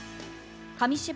紙芝居